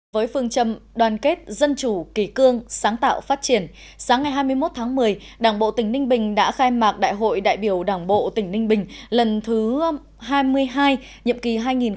với phương châm đoàn kết dân chủ kỳ cương sáng tạo phát triển sáng ngày hai mươi một tháng một mươi đảng bộ tỉnh ninh bình đã khai mạc đại hội đại biểu đảng bộ tỉnh ninh bình lần thứ hai mươi hai nhiệm kỳ hai nghìn hai mươi hai nghìn hai mươi năm